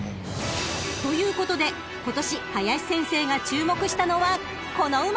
［ということで今年林先生が注目したのはこの馬］